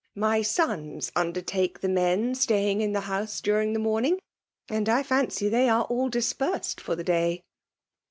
Mjr sons undertake the men staying in the house dinsng Ae morning ^— aiul I ftncy thejr ase aU dis persed for the day.'